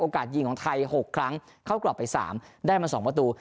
ยิงของไทย๖ครั้งเข้ากรอบไป๓ได้มา๒ประตู